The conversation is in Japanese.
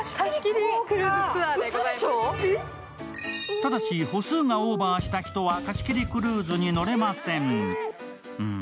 ただし歩数がオーバーした人は貸し切りクルーズに乗れません。